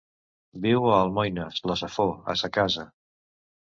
Viu a Almoines, la Safor, a sa casa.